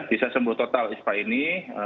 bisa sembuh total ispa ini